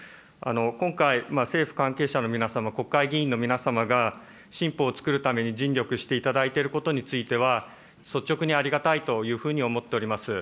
今回、政府関係者の皆様、国会議員の皆様が、新法をつくるために尽力していただいていることについては、率直にありがたいというふうに思っております。